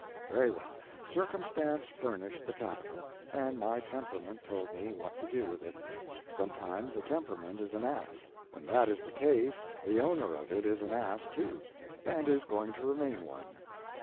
Very well, Circumstance furnished the capital, and my temperament told me what to do with it. Sometimes a temperament is an ass. When that is the case the owner of it is an ass, too, and is going to remain one.